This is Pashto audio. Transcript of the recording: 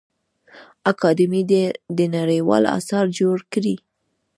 اکاډمي دي نړیوال اثار جوړ کړي.